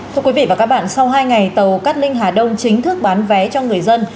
thưa quý vị và các bạn sau hai ngày tàu cát linh hà đông chính thức bán vé cho người dân